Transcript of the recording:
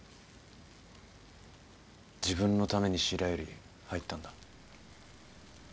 自分のために白百合入ったんだ。